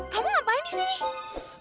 kamu ngapain disini